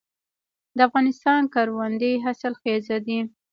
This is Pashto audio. د افغانستان کروندې حاصلخیزه دي